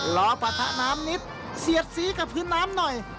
ปะทะน้ำนิดเสียดสีกับพื้นน้ำหน่อย